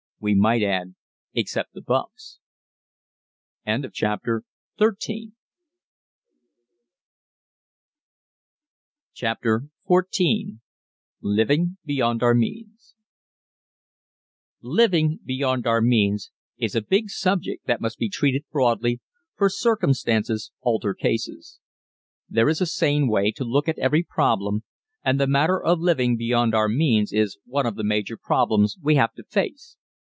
We might add "except the bumps!" CHAPTER XIV LIVING BEYOND OUR MEANS Living beyond our means is a big subject that must be treated broadly, for circumstances alter cases. There is a sane way to look at every problem, and the matter of living beyond our means is one of the major problems we have to face.